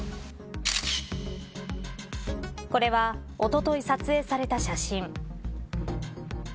これはおととい撮影された写真。